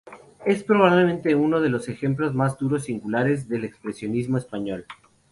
Es probablemente uno de los ejemplos más duros y singulares del expresionismo español.